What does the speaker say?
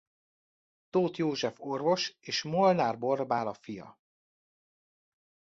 Tóth József orvos és Molnár Borbála fia.